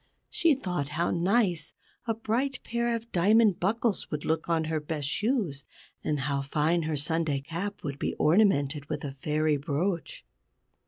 She thought how nice a bright pair of diamond buckles would look on her best shoes, and how fine her Sunday cap would be ornamented with a Fairy brooch.